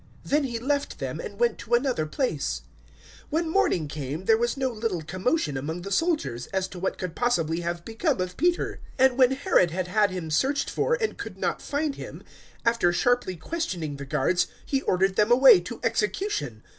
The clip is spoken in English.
Then he left them, and went to another place. 012:018 When morning came, there was no little commotion among the soldiers, as to what could possibly have become of Peter. 012:019 And when Herod had had him searched for and could not find him, after sharply questioning the guards he ordered them away to execution.